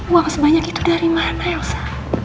uang sebanyak itu dari mana elsa